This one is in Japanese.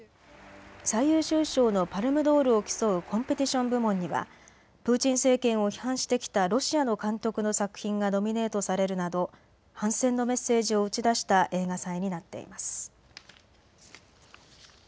最優秀賞のパルムドールを競うコンペティション部門にはプーチン政権を批判してきたロシアの監督の作品がノミネートされるなど反戦のメッセージを打ち出した映画祭になっています。